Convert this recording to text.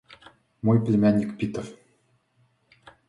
Мой племянник Питер.